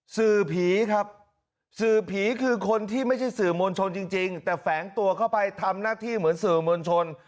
สื่อผีครับสื่อผีคือคนที่ไม่ใช่สื่อมวลชนจริงแต่แฝงตัวเข้าไปทำหน้าที่เหมือนสื่อมวลชน